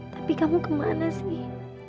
tapi kamu kemana sih